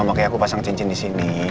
makanya aku pasang cincin di sini